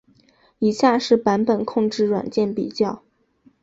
以下是版本控制软件比较。